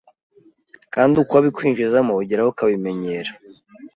Kandi uko abikwinjizamo ugeraho ukabimenyera